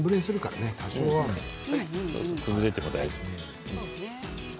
崩れても大丈夫。